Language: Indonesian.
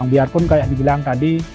biar pun kayak dibilang tadi